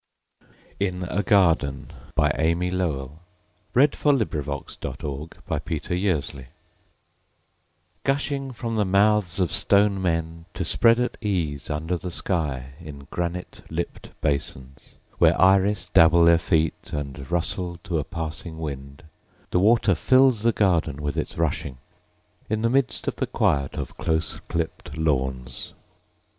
Gather it up from the dust, That its sparkle may amuse you. In a Garden Gushing from the mouths of stone men To spread at ease under the sky In granite lipped basins, Where iris dabble their feet And rustle to a passing wind, The water fills the garden with its rushing, In the midst of the quiet of close clipped lawns.